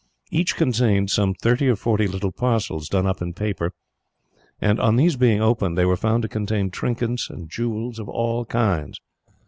Each contained some thirty or forty little parcels, done up in paper; and on these being opened, they were found to contain trinkets and jewels of all kinds.